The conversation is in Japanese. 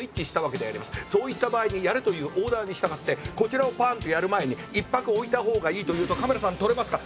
そういった場合にやれというオーダーに従ってこちらをパンってやる前に一拍置いたほうがいいと言うとカメラさん撮れますか？